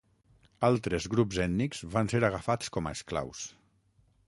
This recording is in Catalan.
Altres grups ètnics van ser agafats com a esclaus.